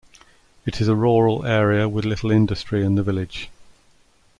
It is a rural area with little industry in the village.